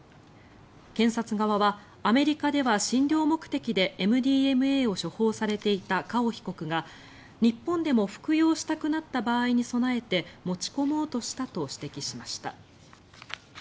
検察側は、アメリカでは診療目的でＭＤＭＡを処方されていたカオ被告が日本でも服用したくなった場合に備えて持ち込もうとしたと指摘しました。